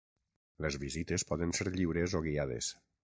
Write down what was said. Les visites poden ser lliures o guiades.